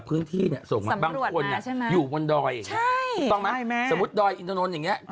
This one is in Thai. พื้นที่เนี้ยส่งมาบางคนอ่ะอยู่บนใช่ต้องไหมสมมุติอย่างเงี้ย